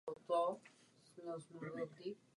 Věci se už nebudou dít tak, jak se děly doposud.